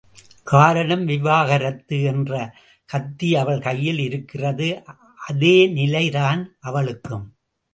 காரணம் விவாகரத்து என்ற கத்தி அவள் கையில் இருக்கிறது, அதே நிலை தான் அவளுக்கும்.